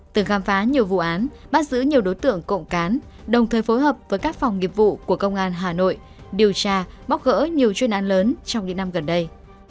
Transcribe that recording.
từng khám phá nhiều vụ án bắt giữ nhiều đối tượng cộng cán đồng thời phối hợp với các phòng nghiệp vụ của công an hà nội điều tra bóc gỡ nhiều chuyên án lớn trong những năm gần đây